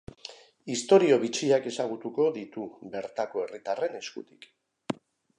Istorio bitxiak ezagutuko ditu bertako herritarren eskutik.